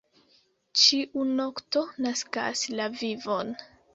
Ĉiu nokto naskas la vivon.